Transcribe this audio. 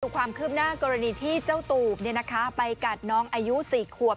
ความคืบหน้ากรณีที่เจ้าตูบไปกัดน้องอายุ๔ขวบ